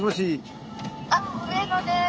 あっ上野です。